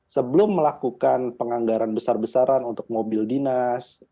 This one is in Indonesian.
sebelum melakukan penganggaran besar besaran untuk mobil dinas